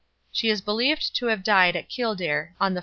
She is believed to have died at Kildare on the 1st Feb.